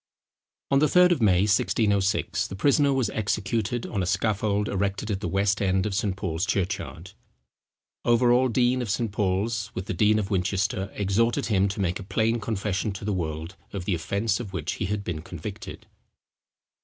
On the third of May 1606, the prisoner was executed on a scaffold erected at the west end of St. Paul's church yard. Overal, dean of St. Paul's, with the dean of Winchester, exhorted him to make a plain confession to the world of the offence of which he had been convicted.